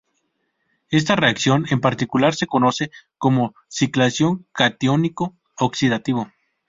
Esta reacción en particular se conoce como ciclación catiónico oxidativo.